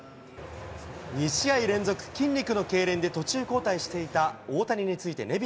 ２試合連続、筋肉のけいれんで途中交代していた大谷についてネビ